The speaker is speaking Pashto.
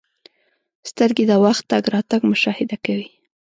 • سترګې د وخت تګ راتګ مشاهده کوي.